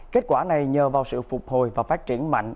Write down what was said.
kết quả này nhờ vào sự phục hồi và phát triển mạnh